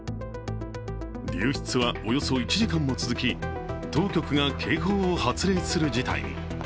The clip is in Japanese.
流出はおよそ１時間も続き、当局が警報を発令する事態に。